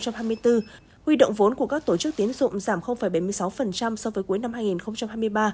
huy động vốn của các tổ chức tiến dụng giảm bảy mươi sáu so với cuối năm hai nghìn hai mươi ba